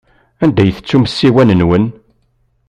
Anda i tettum ssiwan-nwen?